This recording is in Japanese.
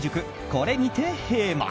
これにて閉幕。